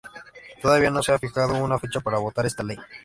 Todavía no se ha fijado una fecha para votar esta ley.